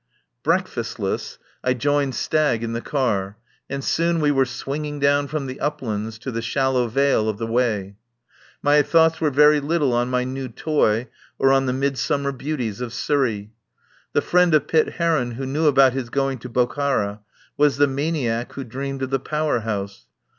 Breakfastless I joined Stagg in the car, and soon we were swinging down from the uplands to the shallow vale of the Wey. My thoughts were very little on my new toy or on the mid summer beauties of Surrey. The friend of Pitt Heron, who knew about his going to Bokhara, was the maniac who dreamed of the "Power House."